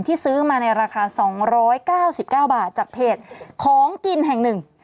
ซื้อมาในราคา๒๙๙บาทจากเพจของกินแห่งหนึ่ง